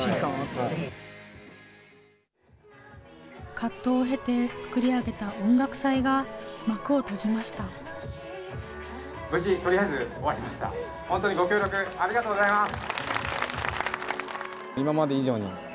葛藤を経て作り上げた音楽祭が幕を閉じました。